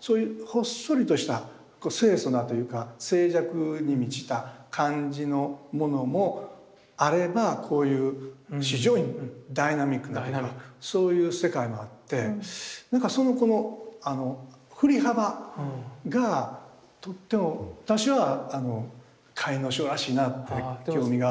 そういうほっそりとした清楚なというか静寂に満ちた感じのものもあればこういう非常にダイナミックなというかそういう世界もあってなんかそのこの振り幅がとっても私は甲斐荘らしいなぁって興味があるし。